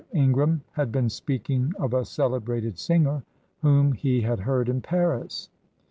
Ingram had been speaking of a celebrated singer whom he had heard in Paris.